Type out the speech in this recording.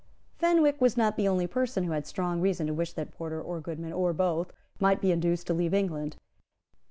Fenwick was not the only person who had strong reason to wish that Porter or Goodman, or both, might be induced to leave England.